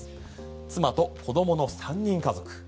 妻と子供の３人家族。